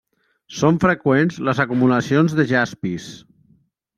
Són freqüents les acumulacions de jaspis.